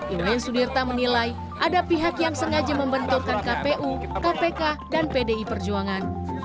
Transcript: iwan sudirta menilai ada pihak yang sengaja membentukkan kpu kpk dan pdi perjuangan